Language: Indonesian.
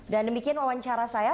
dan demikian wawancara saya